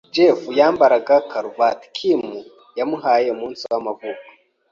Jeff yambaraga karuvati Kim yamuhaye kumunsi w'amavuko.